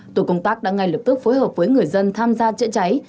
tổ công tác đã ngay lập tức phối hợp với người dân tham gia chữa cháy